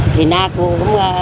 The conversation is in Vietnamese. thì na cô